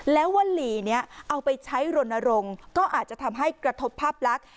แล้ววลีนี้เอาไปใช้รณรงค์ก็อาจจะทำให้กระทบภาพลักษณ์